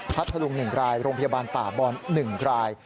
พัทธลุง๑รายโรงพยาบาลป่าบอล๑ราย